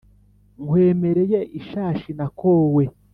« nkwemereye ishashi nakowe,